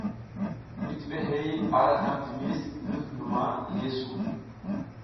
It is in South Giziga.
Mitibihey ara zlam dimis ngi hinuma yeesu.